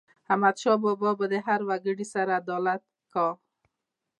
احمدشاه بابا به د هر وګړي سره عدالت کاوه.